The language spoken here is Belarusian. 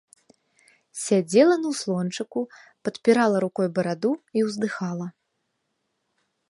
Сядзела на ўслончыку, падпірала рукой бараду і ўздыхала.